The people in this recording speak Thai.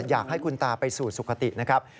อยากให้คุณตาไปสู่สุขตินะครับ